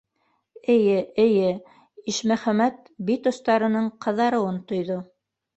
Эйе, эйе, - Ишмөхәмәт бит остарының ҡыҙарыуын тойҙо.